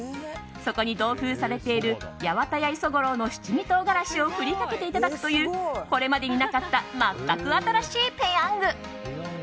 そこに同封されている八幡屋磯五郎の七味唐辛子を振りかけていただくというこれまでになかった全く新しいぺヤング。